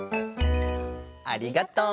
ありがとう。